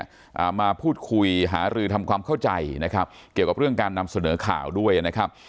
อ่ามาพูดคุยหารือทำความเข้าใจนะครับเกี่ยวกับเรื่องการนำเสนอข่าวด้วยนะครับ